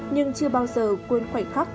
nhưng chưa bao giờ quên khoảnh khắc